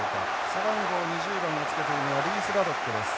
背番号２０番をつけているのはリースラドックです。